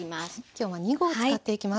今日は２合を使っていきます。